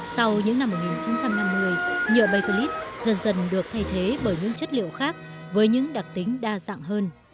sau những năm một nghìn chín trăm năm mươi nhựa bay clip dần dần được thay thế bởi những chất liệu khác với những đặc tính đa dạng hơn